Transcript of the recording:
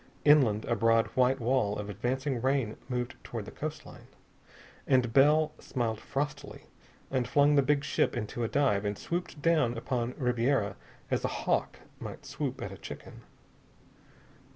Inland a broad white wall of advancing rain moved toward the coastline. And Bell smiled frostily, and flung the big ship into a dive and swooped down upon Ribiera as a hawk might swoop at a chicken.